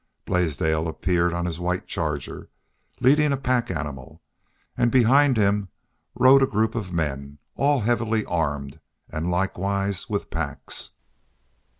Blaisdell appeared on his white charger, leading a pack animal. And behind rode a group of men, all heavily armed, and likewise with packs.